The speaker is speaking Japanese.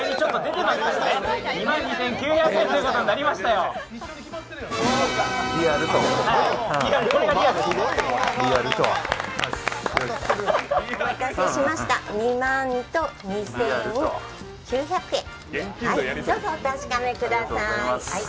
お待たせしました、２万と２９００円、どうぞお確かめください。